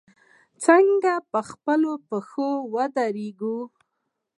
چې څنګه په خپلو پښو ودریږو.